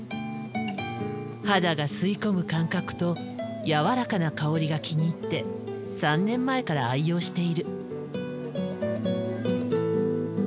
肌が吸い込む感覚とやわらかな香りが気に入って３年前から愛用している。